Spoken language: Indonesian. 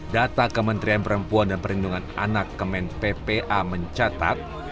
data kementerian perempuan dan perlindungan anak kemen ppa mencatat